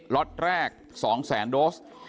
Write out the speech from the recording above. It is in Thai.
รอดแรก๒๐๐๐๐๐โดส